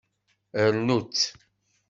Rnu-tt.